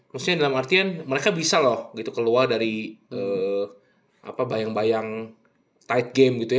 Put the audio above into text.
maksudnya dalam artian mereka bisa loh gitu keluar dari bayang bayang tight game gitu ya